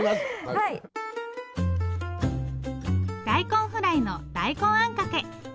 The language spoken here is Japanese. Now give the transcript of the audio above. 大根フライの大根あんかけ。